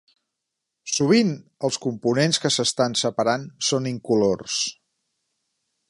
Sovint els components que s'estan separant són incolors.